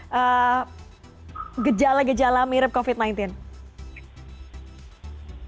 sejak menjelaskan kejalan kejalan yang terjadi di bulan agustus saya merasakan berapa lama